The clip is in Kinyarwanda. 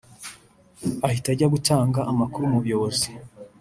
ahita ajya gutanga amakuru mu buyobozi